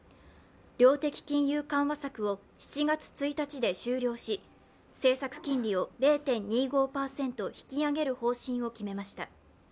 量的金融緩和策を７月１日で終了し、政策金利を０．２５％引き上げる方針を決めました。